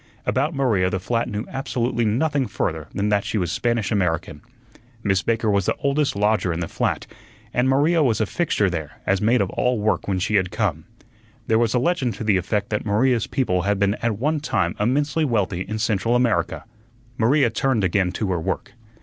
About Maria the flat knew absolutely nothing further than that she was Spanish American. Miss Baker was the oldest lodger in the flat, and Maria was a fixture there as maid of all work when she had come. There was a legend to the effect that Maria's people had been at one time immensely wealthy in Central America. Maria turned again to her work.